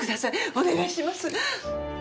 お願いします。